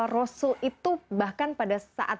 rasul itu bahkan pada saat